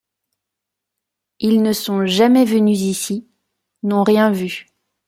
Ils ne sont jamais venus ici, n'ont rien vu.